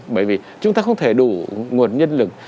bởi vì chúng ta không thể đủ nguồn nhân lực